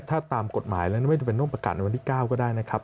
ถ้าตามกฎหมายแล้วไม่จำเป็นต้องประกาศในวันที่๙ก็ได้นะครับ